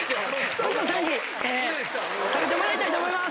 村長さんに食べてもらいたいと思います。